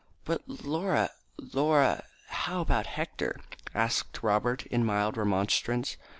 "But Laura, Laura, how about Hector?" asked Robert in mild remonstrance.